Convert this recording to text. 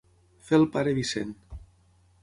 Fer el pare Vicent.